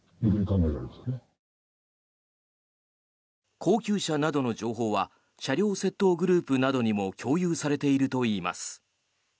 高級車などの情報は車両窃盗グループにも共有されているといいます。